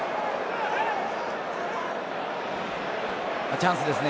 チャンスですね。